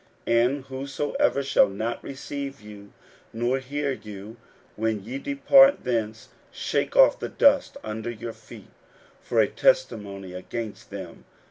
41:006:011 And whosoever shall not receive you, nor hear you, when ye depart thence, shake off the dust under your feet for a testimony against them.